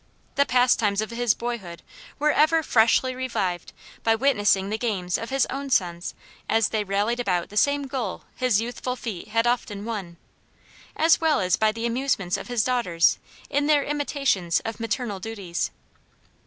The pastimes of his boyhood were ever freshly revived by witnessing the games of his own sons as they rallied about the same goal his youthful feet had often won; as well as by the amusements of his daughters in their imitations of maternal duties.